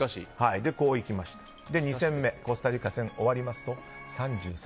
２戦目コスタリカ戦終わりますと３３．９％。